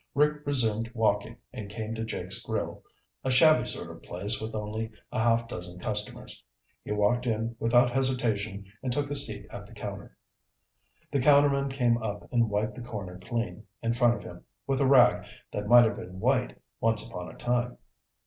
Rick resumed walking and came to Jake's Grill, a shabby sort of place with only a half dozen customers. He walked in without hesitation and took a seat at the counter. The counterman came up and wiped the counter clean in front of him with a rag that might have been white once upon a time.